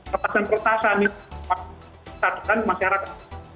perasaan perasaan yang diperhatikan masyarakat